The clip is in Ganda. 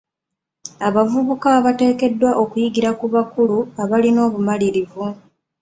Abavubuka bateekeddwa okuyigira ku bakulu abalina obumanyirivu .